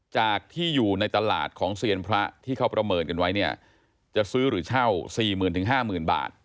จากที่อยู่ในตลาดของเซียนพระที่เขาประเมินกันไว้เนี่ยจะซื้อหรือเช่า๔๐๐๐๕๐๐๐บาท